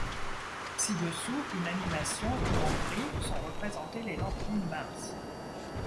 Ci-dessous une animation où en gris sont représentées les lentilles minces.